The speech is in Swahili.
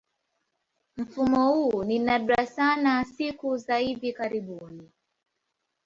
Mfumo huu ni nadra sana siku za hivi karibuni.